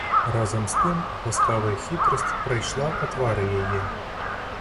Разам з тым ласкавая хітрасць прайшла па твары яе.